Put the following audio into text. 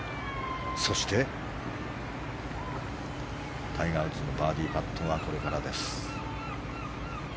そして、タイガー・ウッズのバーディーパットがこれからです。